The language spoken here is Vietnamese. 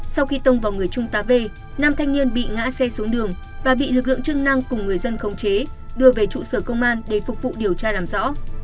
sau khi tông vào người trung tá v năm thanh niên bị ngã xe xuống đường và bị lực lượng chức năng cùng người dân khống chế đưa về trụ sở công an để phục vụ điều tra làm rõ